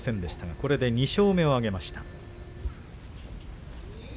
これで２勝目を挙げました。